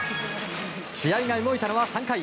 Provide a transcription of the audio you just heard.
試合が動いたのは３回。